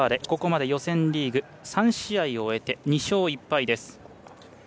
ここまで予選リーグ３試合終えて２勝１敗です。